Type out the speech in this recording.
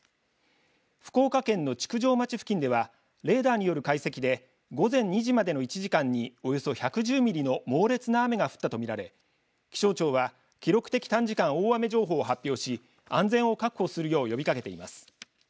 福岡県の築上町付近ではレーダーによる解析で午前２時までの１時間におよそ１１０ミリの猛烈な雨が降ったと見られ気象庁は記録的短時間大雨情報を発表し安全を確保するよう呼びかけています。